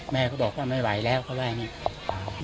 แม่ก็บอกว่าไม่ไหวแล้วเขาว่าอย่างนี้